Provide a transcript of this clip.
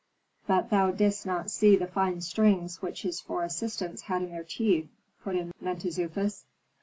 "But thou didst not see the fine strings which his four assistants had in their teeth," put in Mentezufis.